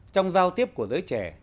trong giao tiếp của giới trẻ